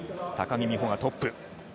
高木美帆がトップ。